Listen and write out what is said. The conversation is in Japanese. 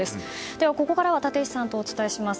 では、ここからは立石さんとお伝えします。